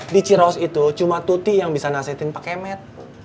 di ciraos itu cuma tuti yang bisa nasihatin pak kemet